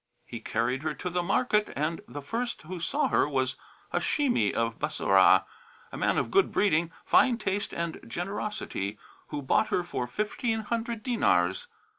He carried her to the market and the first who saw her was a Hashimi[FN#37] of Bassorah, a man of good breeding, fine taste and generosity, who bought her for fifteen hundred dinars.